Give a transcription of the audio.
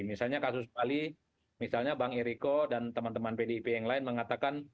misalnya kasus bali misalnya bang eriko dan teman teman pdip yang lain mengatakan